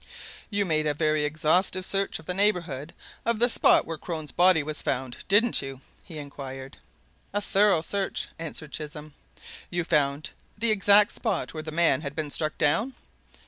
"You made a very exhaustive search of the neighbourhood of the spot where Crone's body was found, didn't you?" he inquired. "A thorough search," answered Chisholm. "You found the exact spot where the man had been struck down?"